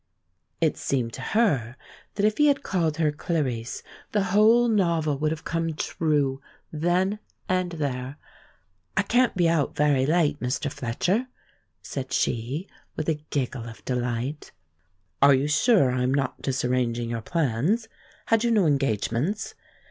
It seemed to her that if he had called her Clarice the whole novel would have come true then and there. "I can't be out very late, Mr. Fletcher," said she, with a giggle of delight. "Are you sure I am not disarranging your plans? Had you no engagements?"